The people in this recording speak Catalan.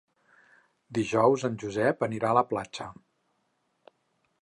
Dijous en Josep anirà a la platja.